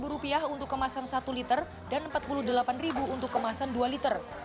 rp lima untuk kemasan satu liter dan rp empat puluh delapan untuk kemasan dua liter